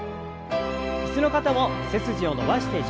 椅子の方も背筋を伸ばして上体を前に。